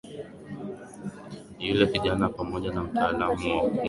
Yule kijana pamoja na mtaalamu wa ufundi walikaa kimya na kumsikiliza Jacob